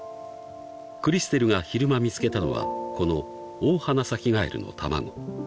［クリステルが昼間見つけたのはこのオオハナサキガエルの卵］